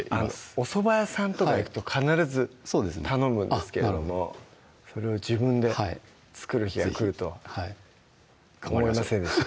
おそば屋さんとか行くと必ず頼むんですけれどもそれを自分で作る日が来るとは思いませんでした